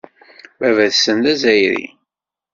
Baba-tsen d Azzayri.